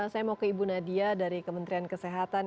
saya mau ke ibu nadia dari kementerian kesehatan